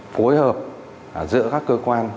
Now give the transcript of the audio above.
phối hợp giữa các cơ quan